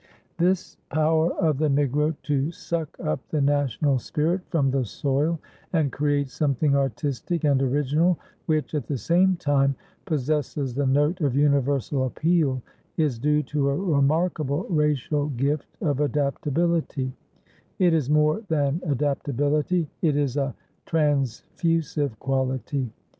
This power of the Negro to suck up the national spirit from the soil and create something artistic and original, which, at the same time, possesses the note of universal appeal, is due to a remarkable racial gift of adaptability; it is more than adaptability, it is a transfusive quality.